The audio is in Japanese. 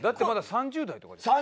３０代とかですよ。